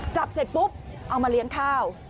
จับเสร็จปุ๊บเอามาเลี้ยงข้าว